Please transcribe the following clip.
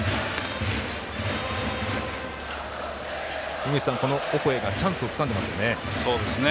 井口さん、オコエがチャンスをつかんでますね。